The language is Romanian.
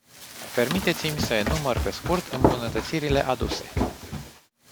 Permiteți-mi să enumăr pe scurt îmbunătățirile aduse.